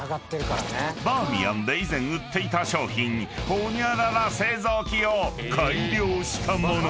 ［バーミヤンで以前売っていた商品ホニャララ製造機を改良した物］